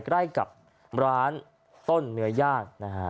ใกล้กับร้านต้นเหนือยาก